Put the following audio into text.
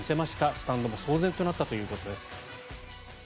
スタンドも騒然となったということです。